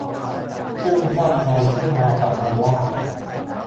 เพิ่งเข้าใจที่มาของคำว่า